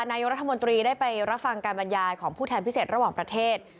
นายกรัฐมนตรีได้ไปรับฟังการบรรยายของผู้แทนพิเศษระหว่างประเทศ